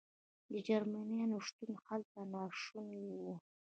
د جرمنیانو شتون هلته ناشونی و.